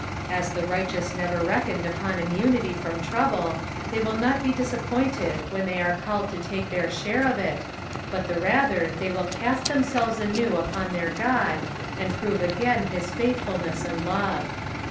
Ab the rigbteoua nerer reckoned upon immunity from, trouble, they will not be disappointed when they are called to take their share of it, but the rather they will cast themselves anew upon their Qod, and prove again his faithfulness and lore.